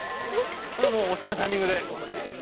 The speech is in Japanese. お好きなタイミングで。